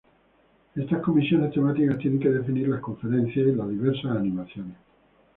Estas comisiones temáticas tienen que definir las conferencias y las diversas animaciones.